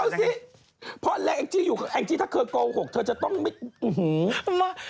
แองจี้ไหนเล่าสิพอแรกแองจี้อยู่แองจี้ถ้าเคยโกหกเธอจะต้องไม่อื้อฮือ